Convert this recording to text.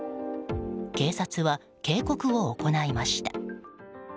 警察は警告を行いました。